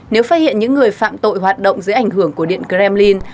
nếu phát hiện những người phạm tội hoạt động dưới ảnh hưởng của điện kremlin